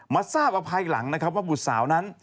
มาทราบเอาภายหลังนะครับว่าบุตรสาวนั้น